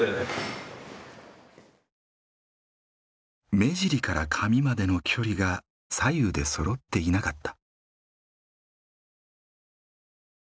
目尻から髪までの距離が左右でそろっていなかった。